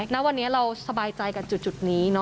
ณวันนี้เราสบายใจกับจุดนี้